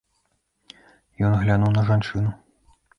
Ён глянуў на жанчыну.